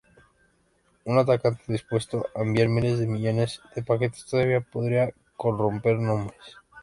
Un atacante dispuesto a enviar miles de millones de paquetes todavía podría corromper nombres.